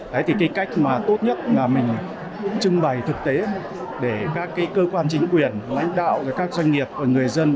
đấy thì cái cách mà tốt nhất là mình trưng bày thực tế để các cơ quan chính quyền lãnh đạo các doanh nghiệp và người dân